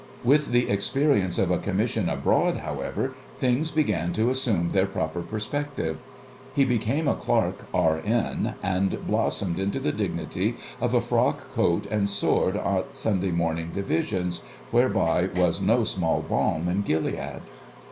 With the experience of a commission abroad, however, things began to assume their proper perspective. He became a Clerk, R.N., and blossomed into the dignity of a frock coat and sword at Sunday morning Divisions, whereby was no small balm in Gilead.